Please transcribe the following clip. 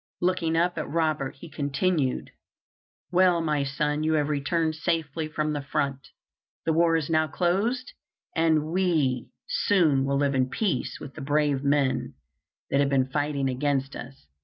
Looking up at Robert, he continued: "Well, my son, you have returned safely from the front. The war is now closed, and we soon will live in peace with the brave men that have been fighting against us.